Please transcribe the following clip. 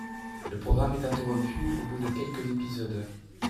Le programme est interrompu au bout de quelques épisodes.